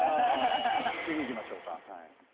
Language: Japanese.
次いきましょうか。